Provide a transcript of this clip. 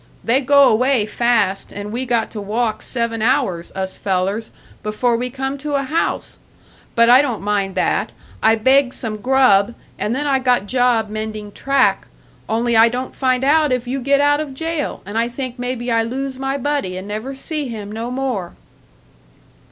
They go away fast, and we got to walk seven hours, us fellers, before we come to a house! But I don't mind that, I begged some grub, and then I got job mending track; only I don't find out if you get out of jail, and I think maybe I lose my buddy and never see him no more."